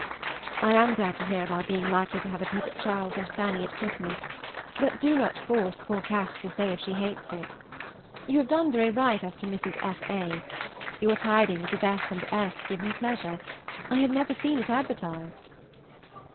I am glad to hear of our being likely to have a peep at Charles and Fanny at Christmas, but do not force poor Cass. to stay if she hates it. You have done very right as to Mrs. F. A. Your tidings of S. and S. give me pleasure. I have never seen it advertised.